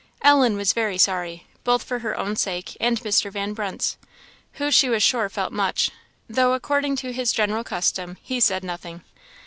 Ellen was very sorry, both for her own sake and Mr. Van Brunt's, who she was sure felt much, though, according to his general custom, he said nothing.